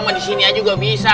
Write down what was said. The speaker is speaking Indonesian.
nggak di sini aja nggak bisa